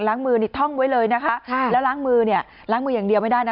มือนี่ท่องไว้เลยนะคะใช่แล้วล้างมือเนี่ยล้างมืออย่างเดียวไม่ได้นะ